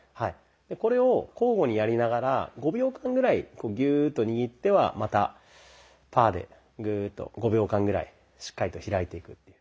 これを交互にやりながら５秒間ぐらいギューッと握ってはまたパーでグーッと５秒間ぐらいしっかりと開いていくっていう。